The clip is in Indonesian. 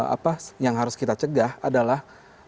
apa yang harus kita cegah adalah